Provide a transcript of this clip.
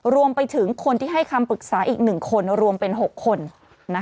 รวมไปถึงคนที่ให้คำปรึกษาอีก๑คนรวมเป็น๖คน